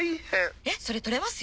えっそれ取れますよ！